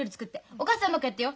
お母さんはうまくやってよ。